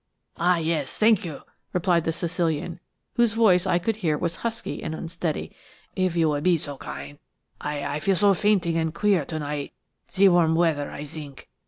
"Ah, yes! zank you," replied the Sicilian, whose voice I could hear was husky and unsteady, "if you would be so kind–I–I feel so fainting and queer to night–ze warm weazer, I zink.